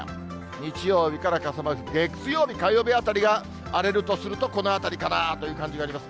日曜日から傘マーク、月曜日、火曜日あたりが荒れるとすると、このあたりかなという感じがあります。